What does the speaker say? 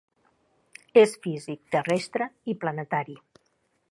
És físic terrestre i planetari.